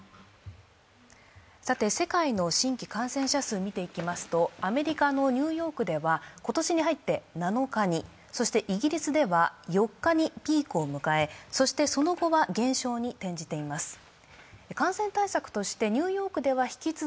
さて、世界の新規感染者数を見ていきますと、アメリカのニューヨークでは今年に入って７日にそしてイギリスでは４日にピークを迎え、そして、その後は減少に転じています。